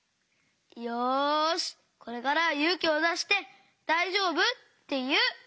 よしこれからはゆうきをだして「だいじょうぶ？」っていう！